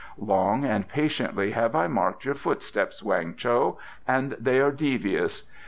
Long and patiently have I marked your footsteps, Weng Cho, and they are devious.